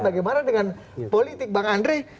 bagaimana dengan politik bang andre